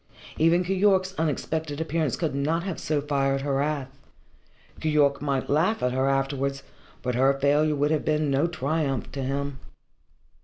Even Keyork's unexpected appearance could not have so fired her wrath. Keyork might have laughed at her afterwards, but her failure would have been no triumph to him.